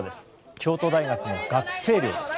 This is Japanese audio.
京都大学の学生寮です。